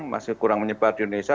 masih kurang menyebar di indonesia